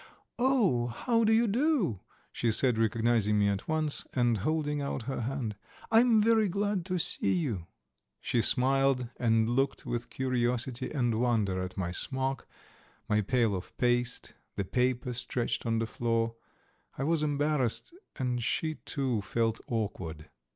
"Oh, how do you do!" she said, recognizing me at once, and holding out her hand. "I'm very glad to see you." She smiled and looked with curiosity and wonder at my smock, my pail of paste, the paper stretched on the floor; I was embarrassed, and she, too, felt awkward.